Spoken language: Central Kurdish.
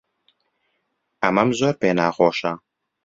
ئەمەم زۆر پێ ناخۆشە.